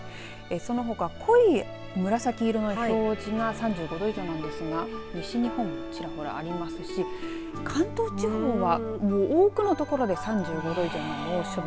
そのほか濃い紫色の表示が３５度以上なんですが西日本、ちらほらありますし関東地方は多くのところで３５度以上の猛暑日。